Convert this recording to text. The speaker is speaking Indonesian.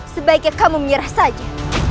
sebaiknya kamu menyerah saja